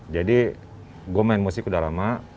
jadi gue main musik udah lama